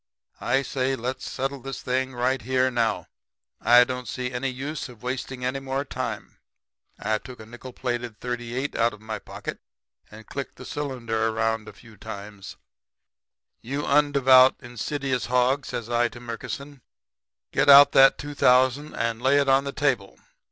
'I say let's settle this thing right here now. I don't see any use of wasting any more time.' I took a nickel plated .38 out of my pocket and clicked the cylinder around a few times. "'You undevout, sinful, insidious hog,' says I to Murkison, 'get out that two thousand and lay it on the table.